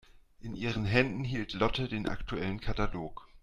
In ihren Händen hielt Lotte den aktuellen Katalog.